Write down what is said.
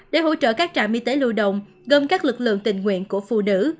để hỗ trợ các trạm y tế lưu động gồm các lực lượng tình nguyện của phụ nữ